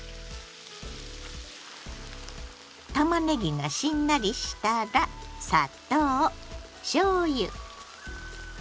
たまねぎがしんなりしたら砂糖しょうゆ酢。